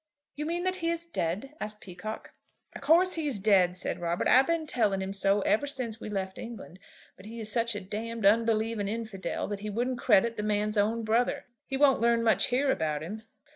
"You mean that he is dead?" asked Peacocke. "Of course he's dead," said Robert. "I've been telling him so ever since we left England; but he is such a d unbelieving infidel that he wouldn't credit the man's own brother. He won't learn much here about him."